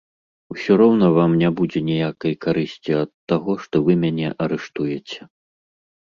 Усё роўна вам не будзе ніякай карысці ад таго, што вы мяне арыштуеце.